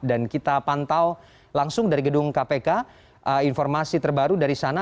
dan kita pantau langsung dari gedung kpk informasi terbaru dari sana